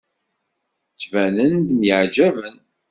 Ttbanen-d myeɛjaben.